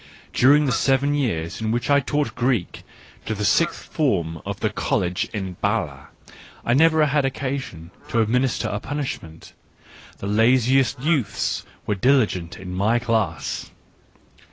During the seven years in which I taught Greek to the sixth form of the College at B&le, I never had occasion to administer a punishment ; the laziest youths were diligent in my class.